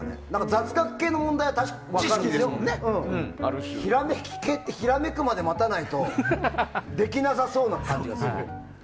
雑学系の問題は分かるんですけどひらめき系ってひらめくまで待たないとできなさそうな感じがする。